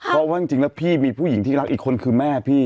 เพราะว่าจริงแล้วพี่มีผู้หญิงที่รักอีกคนคือแม่พี่